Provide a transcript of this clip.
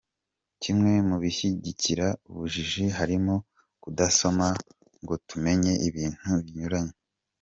Kimwe mu bishyigikira ubujiji harimo kudasoma, ngo tumenye ibintu binyuranye.